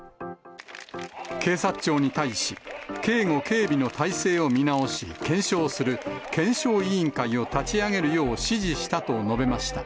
警察庁に対し、警護警備の体制を見直し、検証する検証委員会を立ち上げるよう指示したと述べました。